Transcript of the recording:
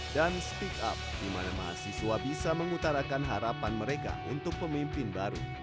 dan speak up di mana mahasiswa bisa mengutarakan harapan mereka untuk pemimpin baru